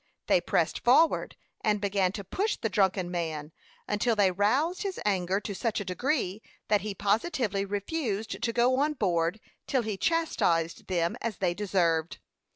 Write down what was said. They pressed forward, and began to push the drunken man, until they roused his anger to such a degree that he positively refused to go on board till he chastised them as they deserved.